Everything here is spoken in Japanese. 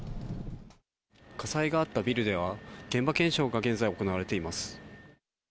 火災があったビルでは、現場検証が現在、行われています。